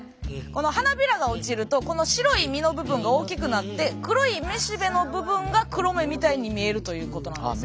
花びらが落ちるとこの白い実の部分が大きくなって黒い雌しべの部分が黒目みたいに見えるということなんですが。